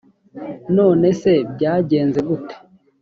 none se byagenze gute